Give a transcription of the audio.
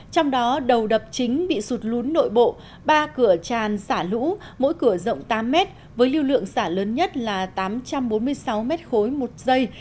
trong đó đầu đập chính bị sụt lún nội bộ ba cửa tràn xả lũ mỗi cửa rộng tám mét với lưu lượng xả lớn nhất là tám trăm bốn mươi sáu m ba một giây